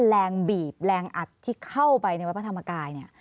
บีบแรงอัดที่เข้าไปในวัดพระธรรมกายเนี่ย